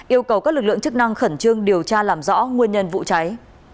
yêu cầu các lực lượng chức năng khẩn trương điều tra làm rõ nguyên nhân vụ cháy